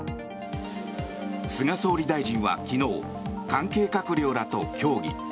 菅総理大臣は昨日関係閣僚らと協議。